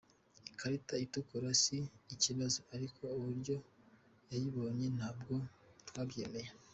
Ikarita itukura si ikibazo ariko uburyo yayibonye ntabwo twabyemera.